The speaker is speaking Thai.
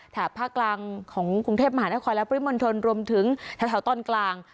ภาคกลางของกรุงเทพมหานครและปริมณฑลรวมถึงแถวตอนกลาง